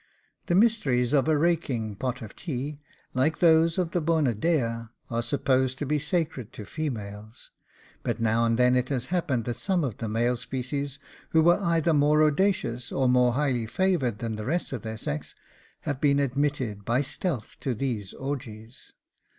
The mysteries of a raking pot of tea, like those of the Bona Dea, are supposed to be sacred to females; but now and then it has happened that some of the male species, who were either more audacious, or more highly favoured than the rest of their sex, have been admitted by stealth to these orgies.